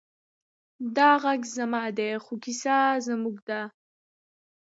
دا غږ زما دی، خو کیسه زموږ ده.